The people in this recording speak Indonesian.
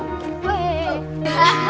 eh apa gitu